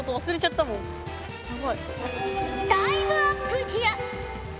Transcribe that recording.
タイムアップじゃ。